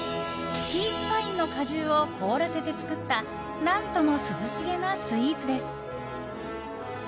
ピーチパインの果汁を凍らせて作った何とも涼しげなスイーツです。